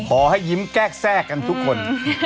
ขอให้ยิ้มแก้แทรกกันทุกคน